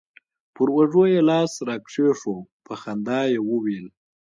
پر اوږه يې لاس راكښېښوو په خندا يې وويل.